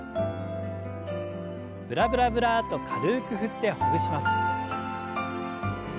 ブラブラブラッと軽く振ってほぐします。